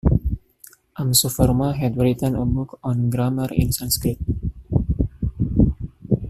Amshuverma had written a book on grammar in Sanskrit.